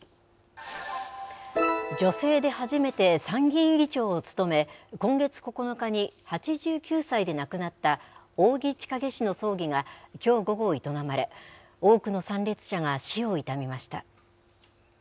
女性で初めて参議院議長を務め、今月９日に８９歳で亡くなった、扇千景氏の葬儀がきょう午後、営まれ、多くの参列者が死を悼みました。